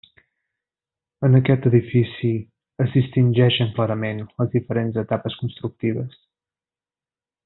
En aquest edifici es distingeixen clarament les diferents etapes constructives.